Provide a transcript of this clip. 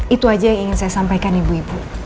itu aja yang ingin saya sampaikan ibu ibu